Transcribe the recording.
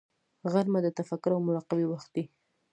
غرمه د تفکر او مراقبې وخت دی